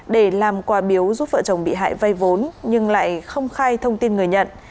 để làm quà biếu giúp vợ chồng bị hại vay vốn nhưng lại không khai thông tin người nhận